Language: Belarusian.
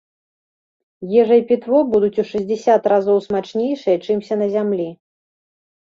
Ежа і пітво будуць у шэсцьдзесят разоў смачнейшыя, чымся на зямлі.